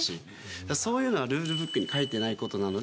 だからそういうのがルールブックに書いてないことなので。